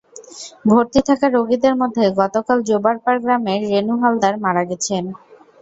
ভর্তি থাকা রোগীদের মধ্যে গতকাল জোবারপাড় গ্রামের রেনু হালদার মারা গেছেন।